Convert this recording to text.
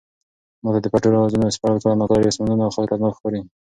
ما ته د پټو رازونو سپړل کله ناکله ډېر ستونزمن او خطرناک ښکاري.